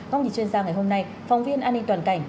ngọc nhị chuyên gia ngày hôm nay phóng viên an ninh toàn cảnh